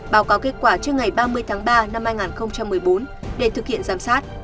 báo cáo kết quả trước ngày ba mươi tháng ba năm hai nghìn một mươi bốn để thực hiện giám sát